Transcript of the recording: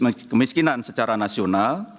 menghasilkan garis kemiskinan secara nasional